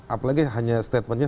apalagi hanya statementnya